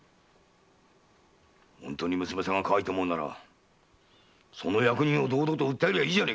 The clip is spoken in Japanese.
本当に娘がかわいいと思うならその役人を堂々と訴えりゃいい